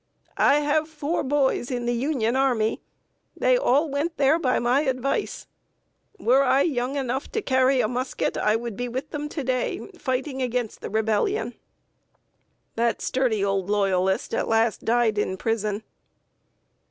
I have four boys in the Union army; they all went there by my advice. Were I young enough to carry a musket I would be with them to day fighting against the Rebellion." The sturdy old Loyalist at last died in prison.